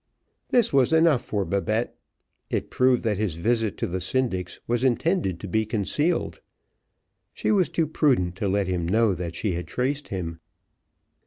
This was enough for Babette, it proved that his visit to the syndic's was intended to be concealed; she was too prudent to let him know that she had traced him.